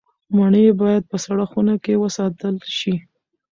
مڼې باید په سړه خونه کې وساتل شي.